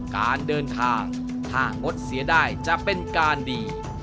การเดินทางถ้างดเสียได้จะเป็นการดี